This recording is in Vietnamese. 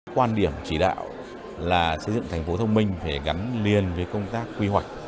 quan điểm chỉ đạo là xây dựng thành phố thông minh phải gắn liền với công tác quy hoạch